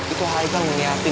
itu haikal ngeliatin kali om